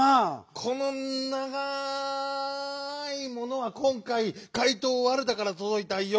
このながーいものはこんかいかいとうワルダからとどいたよ